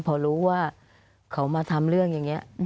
พอรู้ว่าเขามาทำเรื่องอย่างนี้